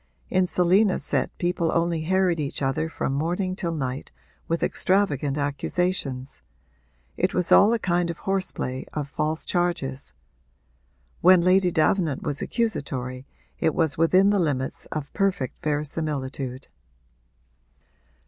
In Selina's set people only harried each other from morning till night with extravagant accusations it was all a kind of horse play of false charges. When Lady Davenant was accusatory it was within the limits of perfect verisimilitude.